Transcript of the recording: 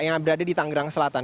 yang berada di tanggerang selatan